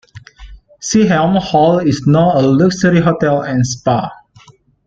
Seaham Hall is now a luxury hotel and spa.